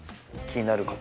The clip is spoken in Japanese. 気になる子？